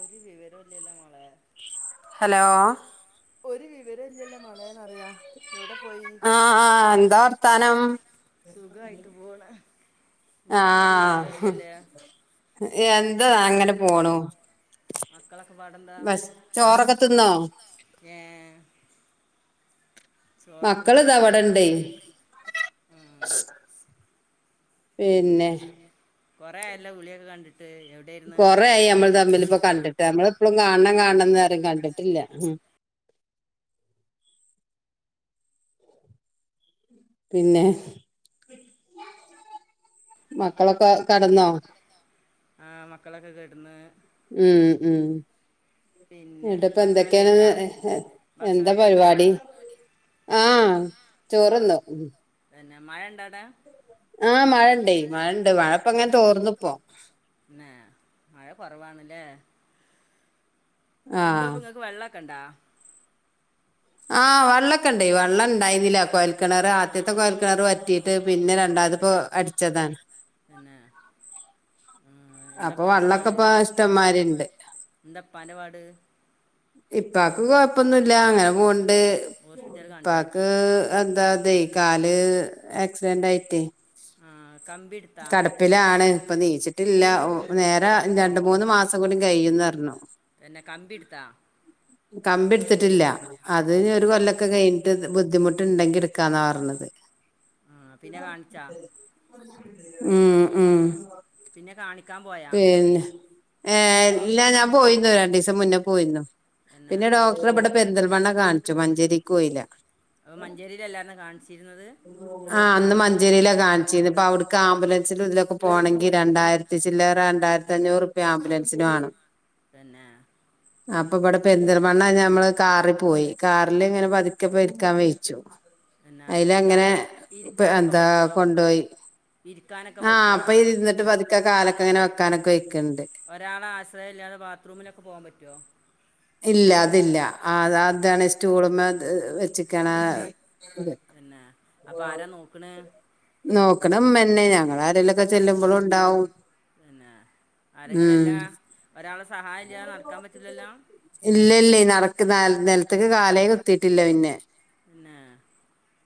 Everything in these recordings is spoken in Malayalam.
ഒരു വിവരമില്ലല്ലോ മോളെ ഹലോ ഒരു വിവര ഇല്ലല്ലോ മോളെ യന്ന് അറിയാം എവിടെ പോയി ആഹ് എന്താ വർത്താനം സുഖമായിട്ട് പോണ് നിങ്ങളൊന്നരു വിവരല്ലല്ലേ എന്തോ അങ്ങനെ പോണു മക്കളൊക്കെ പാടെന്താ ചോറൊക്കെ തിന്നോ ഏ ചോറൊക്കെ മക്കള് കഴിച്ച് തവടണ്ടേ ആ പിന്നെ കൊറെ ആയല്ലോ വിളിയൊക്കെ കണ്ടിട്ട് എവി കൊറെയായി നമ്മൾ തമ്മില് ഇപ്പ കണ്ടിട്ട് നമ്മളെപ്പോഴും കാണണം കാണണം എന്ന് പറയും കണ്ടിട്ടില്ല പിന്നെ മക്കളൊക്കെ കടന്നോ ആഹ് മക്കളൊക്കെ കെടന്ന് ഉം ഉം പിന്നെ [unintelligible] ഇപ്പ ഭക്ഷണം കഴിച്ചാ എന്തൊക്കെയാണ് എന്താ ഭക്ഷണം കഴിച്ചാ പരിപാടി ആഹ് ചോറുന്ന് പിന്നെ മഴ ഇണ്ടാ അടാ ആഹ് മഴ ഇണ്ട് മഴ ഇണ്ട് മഴപ്പ അങ്ങനെ തോർന്ന് പ്പോ പിന്നാ മഴ കുറവാണല്ലേ എന്താ ആഹ് ഇങ്ങക്ക് വെള്ളമൊക്കെണ്ടാ ആഹ് വെള്ളൊക്കെ ഇണ്ട് വെള്ളം ഇണ്ടായിരുന്നില്ല കോയൽക്കിണർ ആദ്യത്തെ കോയൽക്കിണർ വറ്റിട്ട് പിന്നെ രണ്ടാമതിപ്പോ അടിച്ചതാണ് തന്നേ ആഹ് അപ്പൊ എന്തപ്പാന്റെ വള്ളൊക്കെ പാട് ഇപ്പ ഇഷ്ടംമാരിണ്ട് എന്തപ്പാന്റെ പാട് ഇപ്പാക്ക് കൊയപ്പൊന്നുല്ല അങ്ങെനെ പോവ്ണ്ട് ഹോസ്പിറ്റൽ കാണിച്ചാ പ്പാക്ക് എന്താ തെ കാല് ആക്സിഡെന്റായിട്ടേ ആഹ് കമ്പിട്ത്താ പ്പിലാണ് ഇപ്പൊ നീച്ചിട്ടില്ല നേരാ രണ്ട് മൂന്ന് മാസം കൂടി കഴിയുന്നർഞ്ഞു തന്നെ കമ്പിട്ത്താ കമ്പിട്ത്തിട്ടില്ല അത് ഞ്ഞ് പിന്നെ ഒര് കൊല്ല ക്കെ കയ്ഞ്ഞ്ട്ട് ബുദ്ധിമുട്ട്ണ്ടെങ്കി ഇട്ക്കാന്നാ പർഞ്ഞത് ആഹ് പിന്നെ കാണിച്ചാ ഉം ഉം പിന്നെ കാണിക്കാം പോ പിന്നെ ഏഹ് ഇല്ല ഞാൻ പോയില്ല രണ്ടീസം മുന്നെ പോയിര്ന്നു പിന്നെ ടോ ടറെ ഇബടെ പെരിന്തൽമണ്ണ കാണിച്ചു മഞ്ചേരിക്കാേയില അപ്പ മഞ്ചേരീലല്ലെ അന്നെ കാണിച്ചിര്ന്നത് ആഹ് അന്ന് മഞ്ചേരിയില കാണിച്ചിന്നെ ഇപ്പൊ അവ്ട്ക്ക് ആംബുലൻസിലും ഇതിലൊക്കെ പോണെങ്കി രണ്ടായിരത്തി ചില്ലാ രണ്ടായിരത്തഞ്ഞൂറുപ്യാ ആംബുലൻസിന് മാണം തന്നേ അപ്പൊ ബെടെ പെരിന്തൽമണ്ണ ഌമ്മള് കാറി പോയി കാറ്ല്ങ്ങെനെ പത്ക്കെ പ്പെ ര്ക്കാൻ വെയ്ച്ചു പിന്നെ ഇരിക്കാൻ അയ്ലങ്ങെനെ പ്പ ഇരിക്കാനൊക്കെ എന്താ പറ്റുമോ കൊണ്ടോയി ഇരിക്കാനൊക്കെ ആഹ് പറ്റുമോ ഇപ്പയ്‌ല് ഇര്ന്നിട്ട് പത്ക്കെ കാലൊക്കെ ങ്ങെനെ വെക്കാനൊക്കെ വെയ്ക്ക്ണ്ട് ഒരാളെ ആശ്രയല്ലാതെ ബാത്റൂമിലൊക്കെ പോകാം പറ്റൊ ഇല്ല അതില്ല അ അതാണ് സ്റ്റൂള്മെ വെച്ച്ക്കാണ് ആ ഇത് തന്നേ അപ്പം ആരാ നോക്ക്ണ് നോക്ക്ണെമ്മെന്നെ ഞങ്ങളാരേലാെക്കെ ചെല്ലുമ്പളുംണ്ടാവും തന്നെ ആരെങ്കിലും അല്ല ഒരാളെ സഹായല്ലാതെ നട ഇല്ല ഇല്ലേ നടക്ക് നെൽത്ത്ക്ക് കാലേ കുത്തീട്ടില്ല പിന്നെ തെന്നേ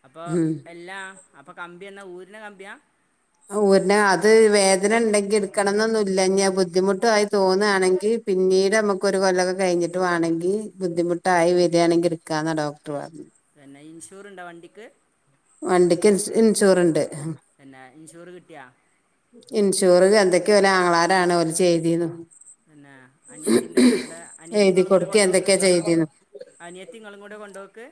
അപ്പൊ ഉം എല്ലാ അപ്പൊ കമ്പി എന്നാ ഊര്ണ കമ്പ്യാ അത് ഊര്ണ അത് വേദനണ്ടെങ്കി ഇട്ക്കണംന്നൊന്നുല്ല ഞ്ഞത് ബുദ്ധിമുട്ടു ആയി തോന്നാണെങ്കി പിന്നീട് നമുക്കാെരു കൊല്ലൊക്കെ കയ്ഞ്ഞിട്ട് വാണെങ്കി ബുദ്ധിമുട്ടായി വരാണെങ്കി ഇട്ക്കാന്നാ ഡോക്ടർ പർഞ്ഞ് തന്നെ ഇൻഷൂറ്ണ്ടാേ വണ്ടിക്ക് വണ്ടിക്ക് ഇൻ ഇൻഷൂറ്ണ്ട് തന്നേ ഇൻഷുറ് കിട്ട്യാ ഇൻഷൂറ് ചന്തൊക്കെയ ഓലെ ആങ്ങളാരാണ് ഓല് ചെയ്തീന്നു തന്നെ അനിയത്തിണ്ടാര്ന്നൊ അവിടെ അനിയത്തിം എഴുതി ഇങ്ങളും കൂടി കൊടുക്കെ കൊണ്ടാേക്ക് എന്തൊക്കെയാ ചെയ്തിന്ന് അനിയത്തിം ഇങ്ങളും കൂടെ കൊണ്ടോക്ക്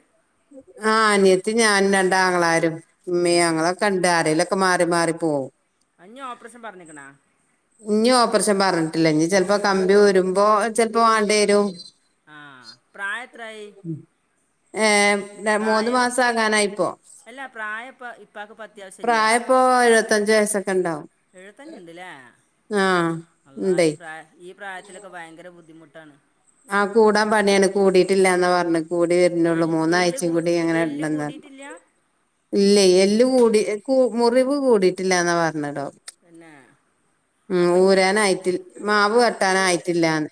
ആഹ് അനിയത്തിം ഞാനും രണ്ടാങ്ങളാരും ഇമ്മിം പിന്നെ ഞങ്ങളൊക്കെണ്ട് ആരേലാെ ക്കെ മാറി മാറി പോവും ആഹ് ഞ്ഞ് ഓപ്പർസം പറ്ഞ്ഞ്ക്ക്ണാ ഇഞ്ഞ് ഓപ്പർഷം പർഞ്ഞിട്ടില്ല ഇഞ്ഞ് ചെൽപ്പം കമ്പി ഊരുമ്പോ ചെൽപ്പം വാണ്ട്യേരും ആഹ് പ്രായെത്രായി ഏഹ് മൂന്ന് പ്രായം മാസാകാനായിപ്പോ അല്ല പ്രായം ഇപ്പ ഇപ്പാക്ക് ഇപ്പം അത്യാവശ്യമില്ലേ പ്രായപ്പോ എഴുപത്തഞ്ച് വയസൊക്കെണ്ടാവും എഴുത്തഞ്ച്ണ്ട്ലേ അള്ളാ ഇണ്ടേ ഈ പ്രായ ഈ പ്രായ ത്തിലൊക്കെ ഭയങ്കര ബുദ്ധിമുട്ടാണ് ആഹ് കൂടാം പണ്യാണ് കൂടിട്ടില്ലാന്നാ പർഞ്ഞ് കൂടി വെര്ണാെള്ളൂ എല്ല് എല്ല് കൂ മൂന്നായ്ച്ചിം കൂടി അങ്ങെനെ എല്ല് ടെണംന്നർഞ്ഞ് കൂടിയിട്ടില്ല ഇല്ലേ എല്ല് കൂടി കൂ മുറിവ് കൂടിട്ടില്ലാന്ന പർഞ്ഞെ ടോ തന്നേ ഉം ഊരാനായിട്ടിൽ മാവ് ആ വെട്ടാനയിട്ടില്ലാന്ന്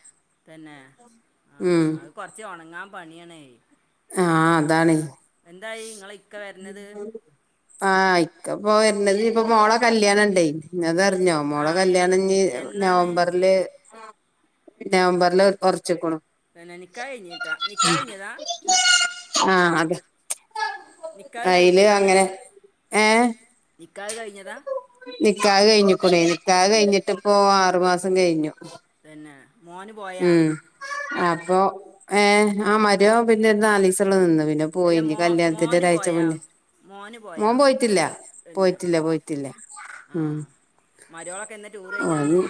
ഉം കുറച്ച് ഉണങ്ങാൻ പണിയണേ ആഹ അതാണ് ഇങ്ങളെ ഇക്ക വരണത് ആഹ ഇക്ക പോ വരത് ഇപ്പൊ മോള കല്യാണ ഉണ്ടേ അത് ശ അതറിഞ്ഞോ മോള ആ എന്ന കല്യാണിഞ്ഞ് എന്നാണ് നവംബറില് നവംബറില് ഉറച്ചിക്കണ പിന്നെ നിക്കാഹ് കഴിഞ്ഞിട്ടാ നിക്കാഹ് കഴിഞ്ഞതാ ആഹ അതെ നിക്കാഹ് അതിൽ കഴിഞ്ഞതാണ് അങ്ങനെ ഏഹ നിക്കാഹ് കഴിഞ്ഞതാ നിക്കാതെ കഴിഞ്ഞിക്കൂണേ നിിക്കാതെ തന്നെ കഴിഞ്ഞിട്ടിപ്പോൊ ആറുമാസം കഴിഞ്ഞു പിന്നെ മോന പോ ഉം അപ്പൊ ഏഹ ആ മര മോ പിന്നെ നാലീസള്ള നിന്ന്ു പിന്നെ അല്ല പോയിനി മോ കല്യാണത്തിന്റെ മോന് ഒരാഴ്ച പോയാ മുന്നേ മോന് പോയാ മോൻ പോയിട്ടിയില്ല പോയിട്ടില്ല പോയിട്ടില്ല ഉം ആഹ മരുമോളൊക്കെ എന്ന് ടൂർ കഴിഞ്ഞന്ന്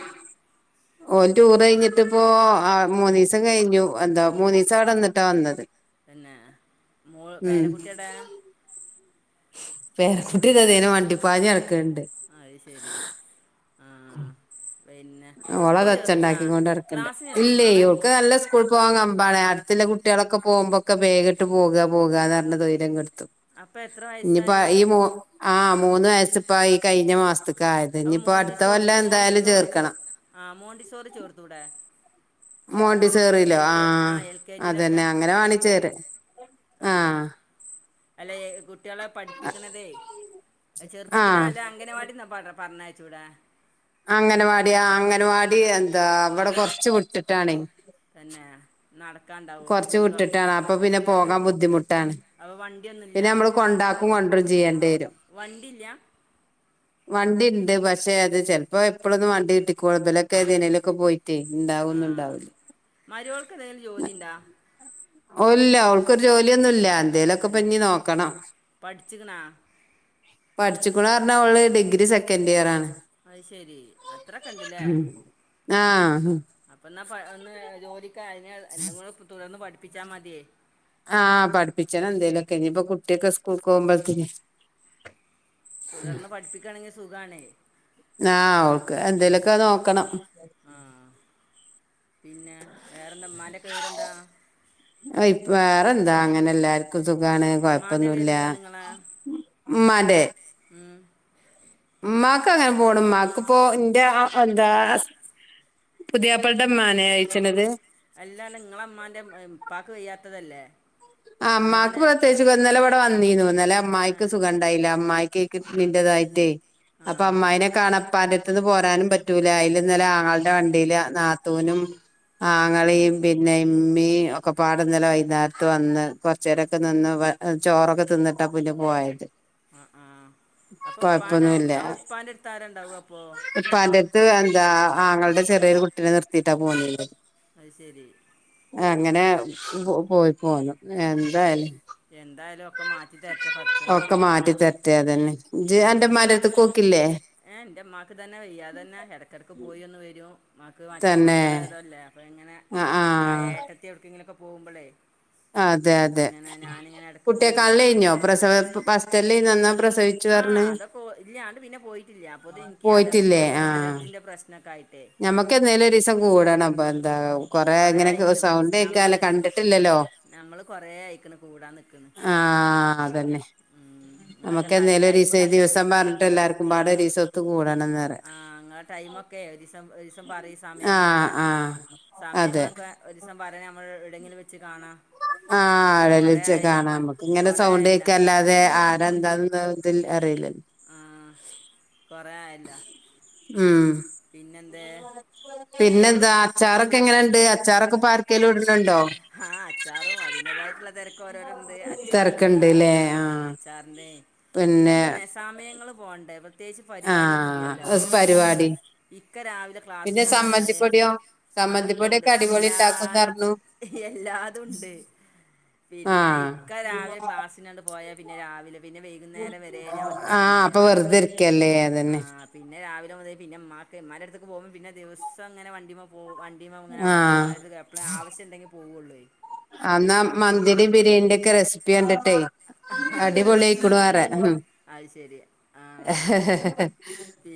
ഓ ടൂർ കഴിഞ്ഞിട്ട് ഇപ്പോൊ മൂന്ന ദിവസം കഴിഞ്ഞു എന്താ മൂന്ന ദിവസം അവിടെന്നിട്ടാ വന്നത് പിന്നെ മോൾ ഉം പേരക്കുട്ടിയട പേരക്കുട്ടി അതേനും വണ്ടിപ്പാഞ്ഞിടക്കണ്ട് അത് ശരി ആഹ ഓളതച്ച ഉണ്ടാക്കി കൊണ്ട് ഇടക്കണ്ടണ്ട് ക്ലാസ്സിന് ചേർത്ത്ക്ക്ണോ ഓളെ ഇല്ലേൾക്ക് നല്ല ഇപ്പോൾ പോകാൻ കമ്പാ അടു കുട്ടികളൊക്കെ പോകുമ്പോൊക്കെ വേഗിട്ട് പോകുക പോകുകന്ന് പറഞ്ഞ തൈര്യംെടുത്തും അപ്പം എത്ര ഇനിപ്പോ വയസ്സായി ഈ മൂ ആഹ് മൂന്ന് വയസ്സ് ഇപ്പായി ഈ കഴിഞ്ഞ മാസത്ക്ക്. ആയത് നി അപ്പം ഇപ്പോ അടുത്ത മോണ്ടിസോ കൊല്ലം എന്തായാലും മോണ്ടിസോറി ചേർ ചേർക്കണം. ആ മോണ്ടിസോറി ചേർത്തൂടെ. മോണ്ടി സ്കൂളിൽ സേറിലോ എൽ കെ ആ ആഹ് എൽ കെ ജിയിലൊക്കെ അതന്നെ അങ്ങനെ വാണിചേര ആഹ്. അല്ലെ കുട്ടികളെ പഠിപ്പിക്കണതേ ആ ചെറുപ്പത്തിലാ അല്ല അംഗനവാടിന്നാ പറ പറഞ്ഞയ. ചൂടാ. അംഗനവാടി ആ അംഗൻവാടി എന്താ അവിടെ കൊറച്ച് വിട്ടിട്ടാണെ തന്നെ. നടക്കാണ്ട. കൊറച് വിട്ടിട്ടാണ് അപ്പൊ പിന്നെ പോകാൻ ബുദ്ധിമുട്ടാണ്. അപ്പ വണ്ടിൊന്നുല്ല. പിന്നെ നമ്മള് കൊണ്ടാക്കും കൊന്റും ചെയ്യേണ്ടി വരും. വണ്ടില്ല [inaudible] വണ്ടിണ്ട് പക്ഷെ അത് ചിലപ്പോ എപ്പോഴൊന്നും വണ്ടി കിട്ടിക്കോളന്നില്ല ഇബലൊക്കെ ഏതനേലൊക്കെ പോയി. ട്ടെ എന്താ. ആഹ് മരോൾക്ക് എന്തെങ്കിലും ജോലിണ്ടോ. ഓ ഇല്ല ഓൾക്കൊരു ജോലിയൊന്നുല്ല എന്തേലൊക്കെ തന്നെ പഞ്ഞി നോക്കണം. പഠിച്ചിക്കണാ പഠിച്ചിക്ക്ണു പറഞ്ഞാ അവള് ഡിഗ്രി സെക്കൻഡ് ഇയർ ആണ്. അത് ശരി അത്രണ്ടിലേ. ഉം ആഹ് അപ്പൊ എന്നാ ഒന്ന് ജോലിക് അയിന് എന്തെങ്കിലും തുടർന്ന് പഠിപ്പിച്ചാ മതിയേ. ആഹ് പഠിപ്പിച്ച ണം എന്തേലുമൊക്കെ ഇനിയിപ്പൊ കുട്ടിയൊക്കെ സ്കൂൾ പോകുമ്പോത്തിനയ്. തുടർന്ന് പഠിപ്പിക്കാണെങ്കിൽ സുഖാണേയ്. ആ ഓവൾക്ക് എന്തേലൊക്കെ നോക്കണം. ആ പിന്നെ വേറെന്താ മ്മാന്റെക്കെ വിവരെന്താ. വേറെ എന്താ അങ്ങനെ എല്ലാർക്കും. ക്കുംസുഖാണ് ഉമ്മാൻ്റെ കൊഴപ്പൊന്നുല്ല വിവരെന്താ നിങ്ങളെ മ്മാന്റെ. ഉം മാക്ക് അങ്ങനെ പോന്നുമാക്ക് ഇപ്പോ ന്റെ ആഎന്താ. പുതിയാപ്പള മ്മാനേ ചോയ്ച്ചണത്. അല്ലാ നിങ്ങള മ്മാന്റെ ഇപ്പാക്ക് വയ്യാത്തതല്ലേ. മ്മാക്ക് ഉമ്മാനെ പ്രത്യേകിച്ച് ന്നല ഇവിടെ വന്നീ നു ന്നലെ പിന്നെ ഉമ്മായ്ക്ക് സുഖ. ണ്ടായില്ല അമ്മായിക് കിട്നിന്റ തായിട്ടേ ആ അപ്പൊ അമ്മായിനെ കാണപ്പാന്റെ. ന്ന് പോരാനും പറ്റൂല അയില് ഇന്നലെ ആങ്ങളടെ വണ്ടിയില് നാത്തൂനും. ആങ്ങളയും പിന്നെ ഇമ്മീ ഒക്കെ പാടന്നലെ വൈകുന്നേരത്ത് വന്ന്. കൊറച്ചേരൊക്കെ നിന്ന് ചോറൊക്കെ തിന്നിട്ടാ പിന്നെ പോയത്. ആ ആ അപ്പൊ പ്പാനെ കൊഴപ്പൊന്നുല്ല പാന്റെ ടുത്ത് ആരാണ്ടാവുഅപ്പൊ. പ്പാന്റെറ അടുത്ത് എന്താ ആങ്ങളടെ ചെറിയൊരു കുട്ടിനെ നിർത്തിട്ടാ പോന്നത്. അത് ശരി അങ്ങനെ പോയി പോന്നു എന്തായാലും. എന്തായാലും ഒക്കെ മാറ്റി തരട്ടെ പഠിച്ചോന് ഒക്ക മാറ്റി തരട്ടെ അതന്നെ ഇജ് ന്റെ മ്മാന്റെട് ത്ത്ക്ക് പോക്കില്ലേ. ഏ ൻ്റെ മാക്ക് ഇത് ന്നെ വയ്യാത ന്നെ ഇടക്കിടക്ക് പോയിന്ന് വരും മാക്ക് മറ്റേ തന്നെ സോക്കേ ടായതല്ലേ. അപ്പോ ഇങ്ങനെ. ആ ആ ആ ഏട്ടത്തി എവിടക്കെങ്കിലൊക്കെ പോകുമ്പളെ അതെ അതെ ഇടക്ക് പോയി കുട്ടിയെക്കാണല് നിക്കും കഴിഞ്ഞോ പ്രസവ ഫസ്റ്റല്ലേന്നു അന്നാ പ്രസവി. ആ അതൊക്കെ ഇല്ലാ അങ്ങട്ട് പിന്നെ പോയിട്ടില്ല അപ്പൊത്തിന് ഇനിക്ക് പോയിട്ടില്ലേ ആ അലർജിന്റെ പ്രശ്നക്കെ ആയിട്ടെ. ഞമ്മക്ക് എന്നേലും ഒരീസം കൂടണം പ്പാ എന്താ. കൊറേ അങ്ങനെക്കെ സൗണ്ട് കേക്കാല്ല കണ്ടിട്ടില്ലല്ലോ ഞങ്ങള് കൊറേ ആയിക്ക്ണ് കൂടാനിക്കണ് ആ അതന്നെ നമുക്കെന്നേലും ടൈം ഒരീസ കണ്ടെത്തി ദിവസം പറഞ്ഞിട്ട് എല്ലാർക്കുംപാടെ ഒരീസൊത്ത് കൂടണംന്ന് ആ ങ്ങളെ ടൈമൊക്കെ ഒരീസം ഒരീസം പറയ് ആ സമയങ്ങളൊക്കെ ആ അതെ സമയങ്ങളൊക്കെ ഒരുസം പറഞ്ഞ നമ്മൾ ഇടങ്കിൽ വെച്ച് കാണാം കൊറേ ആഎടേലെച്ച് ആയല്ലോ കാണാം നമ്മളെ നമുക്ക് ഇങ്ങനെ കൊറേ സൗണ്ട് ആയല്ലോ കേക്ക അല്ലാതെ ആരാ ന്താന്ന് ന്നാതിൽ അറിയില്ലല്ലോ ആഹ് കൊറേ ആയല്ലോ ഉം പിന്നെന്തേ പിന്നെന്താ അച്ചാറൊക്കെ എങ്ങനെണ്ട് അച്ചാറൊക്കെ ഇപ്പ ആർക്കേലും ഇടുന്നുണ്ടോ ആ അച്ചാറും അതിന്റതായിട്ടുള്ള തെരക്ക് കൊരോരുണ്ട് അച്ചാറിന്റേം തിരക്കുണ്ട്ല്ലേ ആ ആഹ് അച്ചാറിന്റെ പിന്നെ പിന്നെന്തന്നെ സമയങ്ങൾ പോകണ്ടേ പ്രത്യേകിച്ച് പരിപാടിയൊന്നുംല്ലല്ലോ ആഹ് പരിപാടി ഇക്ക രാവിലെ പിന്നെ ക്ലാസ്സിന് പോയാല് സമ്മന്തിപ്പൊടിയോ അതൊക്കെണ്ട് സമ്മന്തിപ്പൊടിയൊക്കെ അടിപൊളി എല്ലാ ഉണ്ടാക്കുംന്ന് പറഞ്ഞു എല്ലാതുംണ്ട് പിന്നെ ആഹ് ഇക്ക രാവിലെ ക്ലാസ്സിനണ്ട് പോയാ പിന്നെ രാവിലെ പിന്നെ വൈകുന്നേരം വരെ ഞാൻ ആഹ് ഒറ്റക്കെന്നല്ലേ അപ്പൊ വെറുതെ ഇരിക്കല്ലേ ആ അതന്നെ പിന്നെ രാവിലെ മുതൽ പിന്നെ മ്മാക്ക് മ്മന്റട്ത്തേക്ക് പോകുമ്പൊ പിന്നെ ദിവസങ്ങനെ വണ്ടിമ്മ പോ വണ്ടിമ്മങ്ങനാട് ആഹ് മ്മന്റെട്ത്തേക്ക് എപ്പളെ ആവശ്യംണ്ടെങ്കിൽ പോകൂള്ളേ ആന്നാ മന്തിടേം ബിരിയാണിടെക്കെ റെസിപ്പി കണ്ടിട്ടേ അടിപൊളിയയിക്കുണ് പറയ അത് ശെരിയ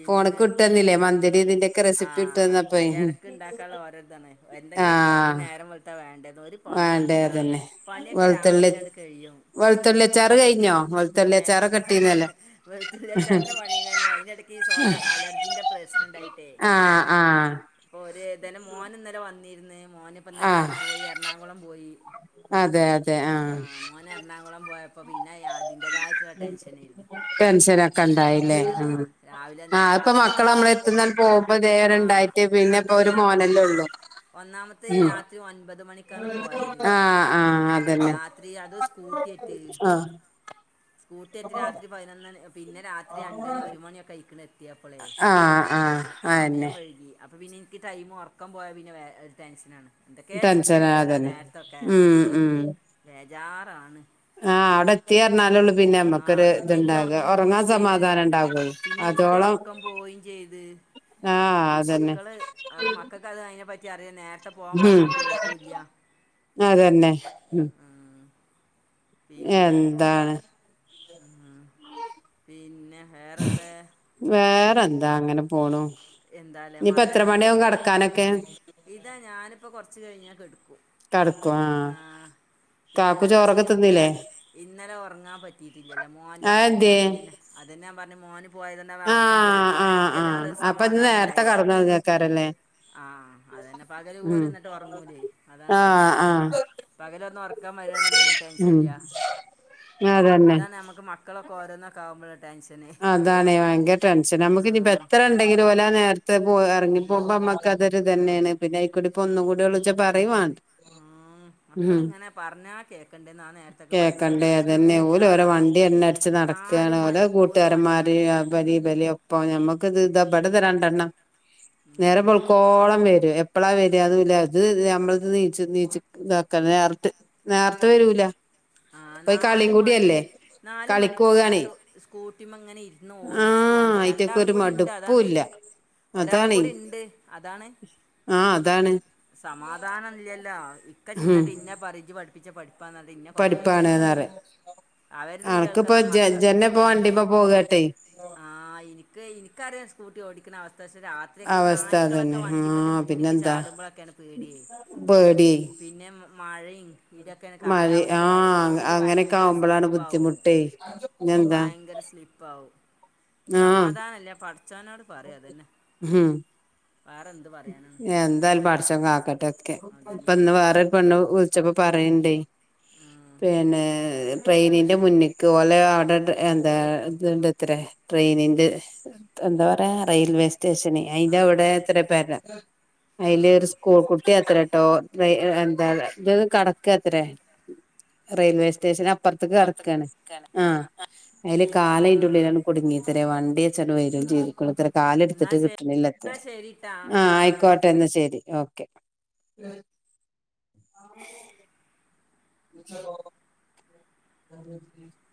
ഫോണക്ക് വിട്ടന്നില്ലേ മന്തിടേം ഇതിന്റെ ആഹ് അയെടക്ക് ഇണ്ടാക്കാൻള്ള ഓരോ ഇതാണ് എന്തെങ്കിലുക്കെ പണി ആഹ് നേരം വെൾ ത്ത വേണ്ടേന്ന് ഒരു വേണ്ടേ പണിയുല്ല അതന്നെ പണിയൊക്കെ രാവിലെ അങ്ങ്ട് കഴിയും വൾത്തുള്ളി അച്ചാറ് കഴിഞ്ഞോ വെൾ ഏ വെളുത്തുള്ളി അച്ചാറിന്റെ പണിയന്ന അതിനിടക്ക് ഈ സ്വാസ് അലർജിന്റെ പ്രശ്നം ണ്ടായി ട്ടെ ആഹ് ആഹ് ഓരെ ഇതാലും മോന്ന്നല വന്നിര്ന്ന് മോനിപ്പന്നല ആഹ് പോയി എറണാകുളം പോയി അതെ അതെ ആ ആഹ് മോൻ എറണാകുളം പോയപ്പോ പിന്നെ യാ ടെൻഷനൊക്കെ ഇന്നലെ ഇണ്ടായില്ലേ ആ രാവിലെ ആ ഇന്നലെ ഇപ്പ രാത്രി മക്കളമ്മളെത്തുന്ന പോവ്മ്പോ ആ ദേവര്ണ്ടായിട്ട് പിന്നെ ഇപ്പൊ അതല്ല ഒരു ഒന്ന് മോനല്ലേ ഉള്ളു ഒന്നാമത്തെ രാത്രി ഒൻപത് മണിക്കാണ് പോയത് ആഹ് ആഹ് അതന്നെ രാത്രി അത് സ് കൂട്ടിയറ്റ് സ്കൂട്ടിയാറ്റ് രാത്രി പതിനൊന്നണി പിന്നെ രാത്രി രണ്ടണി ഒരു മണിയൊക്കെ അയ്ക്ക്ണ് എത്തിയപ്പളെ ആഹ് ആഹ് സമയം അയന്നെ വഴുകി. അപ്പോ പിന്നെ ഇന്ക്ക് ടൈമും ഒർക്കം പോയാൽ പിന്നെ ഒരു ടെൻഷനാണ് ന്തൊക്കെ ചിന്ത ടെൻഷനാ വരുവല്ലോ ആ അതന്നെ നേരത്തൊക്കെ ഉം ഉം ബേജാറാണ്. ആഹ് അവിടെ ത്തിയിറഞ്ഞാലുള്ളൂ പിന്നെ ആ അമ്മക്കൊരു പിന്നെ എൻ്റെ ഇത്ണ്ടാക ഉറക്കം പോയും ഒർങ്ങാൻ സമാധാനം ണ്ടാവൂ അതോളം ക്കം പോയിം ചെയ്ത് ആഹ മക്കള് അവിടെ മക്കൾക്ക് അത് അയ്നെ പറ്റി അറിയാം നേരത്തെ പോവാൻ ഉം പറഞ്ഞാൽ കേൾക്കൂ ഇല്ല അതന്നെ മ് പിന്നെ എന്താണ് അഹ് പിന്നെ വേറെന്തേ വേറെന്താ അങ്ങനെ പോണു എന്താല്ലേ ഇനിപ്പോ മഴ എത്ര ആണെങ്കിൽ മണിയവും കെട്ക്കാനൊക്കെ? ഇതാ ഞാനിപ്പോ കൊർച്ച് കഴിഞ്ഞാൽ കെടക്കൂ കെട്ക്കോ ആ പിന്നെ ഇന്നൽത്തെ ക്ഷീണന്നല ഇന്നലെ ഉറങ്ങാൻ പറ്റിയിട്ടില്ലല്ലോ മോൻ്റെ അതെന്തേ പോകൊണ്ട് പിന്ന അതെന്നാ പറഞ്ഞെ മോന് പോയത് ണ്ടാവ ഒർക്ക് ഇപ്പം ആഹ് കേട്ടു ഓന് ആഹ് ആഹ് എത്തില്ലാതെ ഒരു അപ്പൊ ഇന്ന് സമാധാനം നേരത്തെ ഉണ്ടായില്ല കടന്നൊറങ്ങേക്കാരല്ലേ ആഹ അതന്നെ പകല് ഉം പോലും എന്നിട്ട് ഉറങ്ങൂലേ അതാണ് പ്രശ്നം ആഹ് ആഹ് പകല ഒന്നും ഒറക്കം വരയാെന്നുണ്ടെങ്കി ടെൻഷൻ ഉം ഇല്ല അതന്നെ ഇതാണ് നമക്ക് മക്കളൊക്കെ ഓരോന്നൊക്കെ ആകുമ്പോഴ ടെൻഷന് അതാാണ് ഭയങ്കര ടെൻഷൻ നമുക്ക് ഇനി ആഹ് എത്ര ങ്കിലും ഓല നേരത്തെ പോയി എറങ്ങിപ്പോകുമ്പോമ്മക്ക് അതൊരു ആഹ് തന്നെയാണ് പിന്നെയിക്കൂടിപ്പൊ ഒന്നും കൂടി വിളിച്ചാ പറയുവാണ്ട ഉ മക്കളിങ്ങനെ പറഞ്ഞാൽ കേക്കണ്ടെന്നാ ആ നേരത്തൊക്കെ വണ്ടി്മ പോകുമ്പോൾ വേജാറാണ്. എണ്ണ അടച്ച് നടക്കാണ് ഒലെ വണ്ടി കൂട്ടുകാരന്മാര് അബലി ഇബലി ഒപ്പം ഞമ്മക്കത് ഇത്പടത രണ്ടെണ്ണം നേരെ ഉം പള്ക്കോളം വരും എപ്പളാ വര അതുല്ല ഇത് നമ്മളത് നീ നീച്ച് നീച്ച് ഇതാക്ക നേർട്ട് നേർത്തെ വരൂല ആഹ് ഇപ്പം കളിയും നാല് മണി കൂടിയല്ലേ കളിക്ക് പോവാണെ കൂട്ടി്മങ്ങനെ ഇന്ന് ഓടിച്ചു പോകണ്ട അയിറ്റക്ക് രണ്ടാളും ഒരു കൂടി ഇണ്ട് അതാണേ മടുപ്പൂല്ല ഒരാളും അതാണേ കൂടി ഉണ്ട് അതാണ് ആഹ് അതാണ് സമാധാനം ഇല്ലല്ലോ ഇക്ക ഉം ചിന്നിട്ട് ഇന്നെ പറിം ഇജ് പഠിപ്പിച്ച പഠി [unintelligible] ഇന്ന കെറേ പഠിപ്പാണ്ന്ന് ചീത്താറിം പറയും അവരിതും അനക്കിപ്പോ കേൾക്കണം ജ മക്ക ജന്നെ ഇപ്പോ വണ്ടിമ്മെ പോകട്ടെ ആഹ എനിക്ക് എനിക്കറിയാം സ്കൂട്ടി ഓടിക്കുന്ന അവസ്ഥ പക്ഷേ രാ [unintelligible] ഈ അവസ്ഥ നായ്ക്കളൊക്കെ അതന്നെ വണ്ടിമന്റെ ആഹ് മുന്നിക്ക് പിന്നെന്താ ചാടുമ്പോ ബക്കെയാണ് പേടിയേ പേടി പിന്നെ മഴയും ഇതെക്കെണ് മഴ കാലാവസ്ഥ ആഹ് റോഡിൽ അങ്ങനെയൊക്കെ ഭയങ്കര ആവുമ്പളാണ് സ്ലിപ്പ് ആവും ബുദ്ധിമുട്ടേ പിന്നെന്താ ഭയങ്കര സ്ലിപ്പ് പ്പാവും ആഹ് സമാധാനല്ല പഠിച്ചോനോട് പറയാ അതന്നെ ഉം വേറെ എന്ത് പറയാനാണ് എന്തായാലും പടച്ചോന് കാക്കട്ടെ ഒക്കെ ഇപ്പ അതന്നെ ഇന്ന് വേറെ പെണ്ണ് വിളിച്ചപ്പോ പറയ്ണ്ടേ ഉം. പിന്നെ ട്രെയിനിന്റെ മുന്നിക്ക് ഒലെ അവിടെ എന്താ ഇണ്ട്ത്ര ട്രെയിനിന്റെ എന്താ പറയാ റെയിൽവേസ് സ്റ്റേഷന് ആ അയിന്റെ അവിടെ ആ എത്ര പേര ആ അയില് ഒരു സ്കൂൾ കുട്ടി എത്ര കേട്ടോ എന്താ ഇത് കടക്കത്രേ റെയിൽവേ സ്റ്റേഷൻ അപ്പർത്തക്ക് കെടക്കാണ് ആഹ് അയില് ആ കാലയിൻ്റുള്ളിലാണ് കുടുങ്ങിത്രേ വണ്ടിയെച്ചാണ്ട് വെരും ചെയ്തു [unintelligible] എന്നാ കാലെടുത്തിട്ട് ശരി കിട്ടണില്ലത്രേ എന്നാ ശരിട്ടാ ആഹ് ആയിക്കോട്ടെ ഇന്നാശരി ഓക്കെ അ [unintelligible] [unintelligible] [unintelligible]